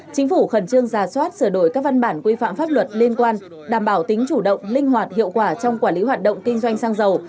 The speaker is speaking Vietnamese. chính phủ khẩn trương giả soát sửa đổi các văn bản quy phạm pháp luật liên quan đảm bảo tính chủ động linh hoạt hiệu quả trong quản lý hoạt động kinh doanh xăng dầu